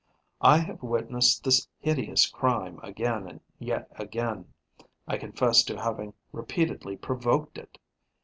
I have witnessed this hideous crime again and yet again; I confess to having repeatedly provoked it.